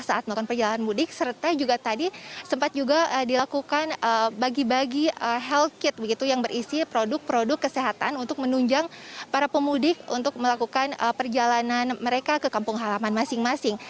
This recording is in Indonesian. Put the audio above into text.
saat melakukan perjalanan mudik serta juga tadi sempat juga dilakukan bagi bagi health kit yang berisi produk produk kesehatan untuk menunjang para pemudik untuk melakukan perjalanan mereka ke kampung halaman masing masing